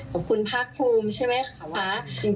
ขอบคุณพลางพูมใช่ไหมคะ